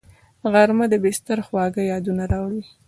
غرمه د بستر خواږه یادونه راوړي